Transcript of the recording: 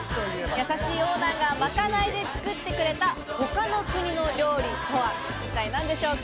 優しいオーナーがまかないで作ってくれた他の国の料理とは一体何でしょうか？